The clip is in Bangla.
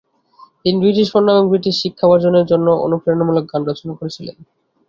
তিনি ব্রিটিশ পণ্য এবং ব্রিটিশ শিক্ষা বর্জনের জন্য অনুপ্রেরণামূলক গান রচনা করেছিলেন।